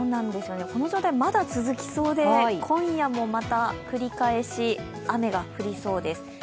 この状態、まだ続きそうで今夜もまた繰り返し雨が降りそうです。